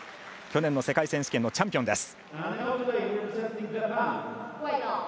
去年の世界選手権のチャンピオン。